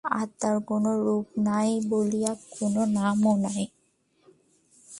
আত্মার কোন রূপ নাই বলিয়া কোন নামও নাই।